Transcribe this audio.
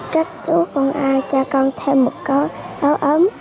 các chú công an cho con thêm một cái áo ấm